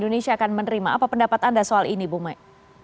bagaimana pendapat anda soal ini bung maik